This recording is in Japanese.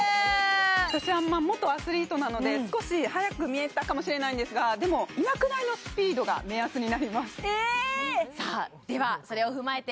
私元アスリートなので少し速く見えたかもしれないんですがでも今くらいのスピードが目安になりますえっ！？